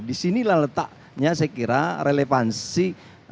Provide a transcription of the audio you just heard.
di sinilah letaknya saya kira relevansi